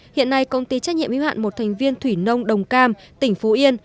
hiện nay công ty trách nhiệm yếu hạn một thành viên thủy nông đồng cam tỉnh phú yên